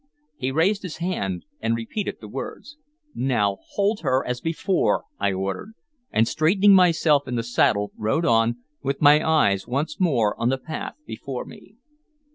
He raised his hand and repeated the words. "Now hold her as before," I ordered, and, straightening myself in the saddle, rode on, with my eyes once more on the path before me.